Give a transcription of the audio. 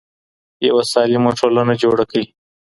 یوه سالمه ټولنه جوړه کړئ.